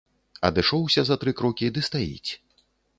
Адышоўся за тры крокі ды стаіць.